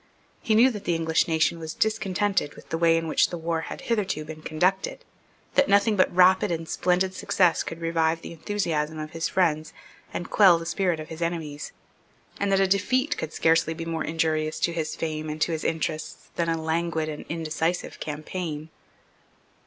He knew that the English nation was discontented with the way in which the war had hitherto been conducted; that nothing but rapid and splendid success could revive the enthusiasm of his friends and quell the spirit of his enemies; and that a defeat could scarcely be more injurious to his fame and to his interests than a languid and indecisive campaign.